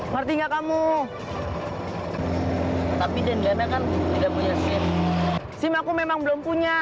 ngerti nggak kamu